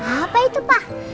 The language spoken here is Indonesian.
apa itu pak